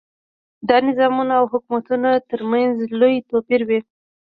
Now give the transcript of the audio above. د نظامونو او حکومتونو ترمنځ لوی توپیر وي.